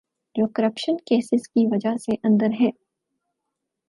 جو corruption cases کی وجہ سے اندر ہیں۔